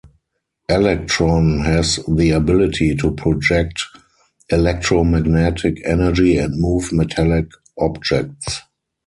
Electron has the ability to project electromagnetic energy and move metallic objects.